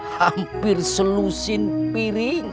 hampir selusin piring